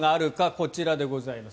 こちらでございます。